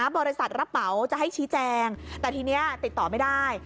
บริษัทรับเหมาจะให้ชี้แจงแต่ทีนี้ติดต่อไม่ได้